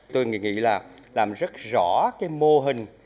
tôi nghĩ là làm rất rõ cái mô hình